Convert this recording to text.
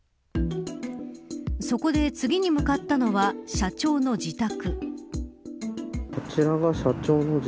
そこで次に向かったのは社長の自宅。